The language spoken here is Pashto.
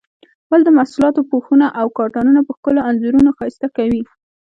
ولې د محصولاتو پوښونه او کارتنونه په ښکلو انځورونو ښایسته کوي؟